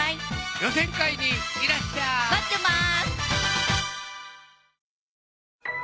予選会にいらっしゃい待ってます